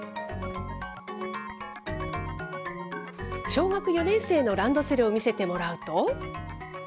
小学４年生のランドセルを見せてもらうと。